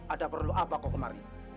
ada perlu apa kok kemarin